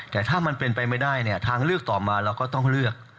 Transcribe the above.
แต่ถ้ามันเป็นไปไม่ได้เนี่ยทางเลือกต่อมาเราก็ต้องเลือก